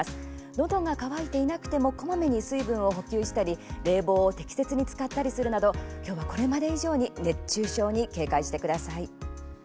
のどが渇いてなくてもこまめに水分を補給したり冷房を適切に使ったりするなど今日はこれまで以上に熱中症に警戒してください。